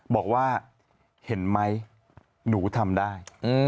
บอกว่าเห็นไหมหนูทำได้